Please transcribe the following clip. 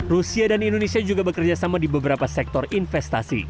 rusia dan indonesia juga bekerjasama di beberapa sektor investasi